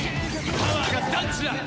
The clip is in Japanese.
パワーがダンチだ。